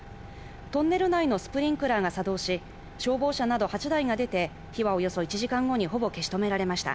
トンネル内のスプリンクラーが作動し、消防車など８台が出て火はおよそ１時間後にほぼ消し止められました。